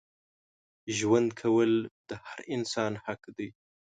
ژوند کول د هر انسان حق دی.